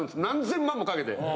何千万もかけて。